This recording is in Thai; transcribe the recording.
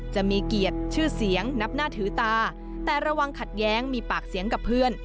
จะมีเกียรติชื่อเสียงนับหน้าถือตาแต่ระวังขัดแย้งมีปากเสียงกับเพื่อน